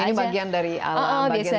dan ini bagian dari alam bagian dari kehidupan